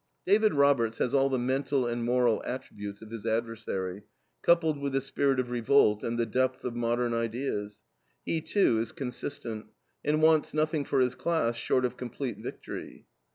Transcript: David Roberts has all the mental and moral attributes of his adversary, coupled with the spirit of revolt, and the depth of modern ideas. He, too, is consistent, and wants nothing for his class short of complete victory.